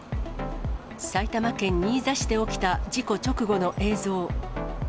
埼玉県新座市で起きた事故直後の映像。